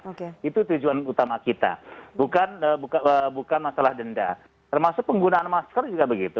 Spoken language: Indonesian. oke itu tujuan utama kita bukan masalah denda termasuk penggunaan masker juga begitu